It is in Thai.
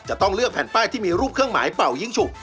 จะต้องเลือกแผ่นป้ายที่มีรูปเครื่องหมายเป่ายิ้งฉุก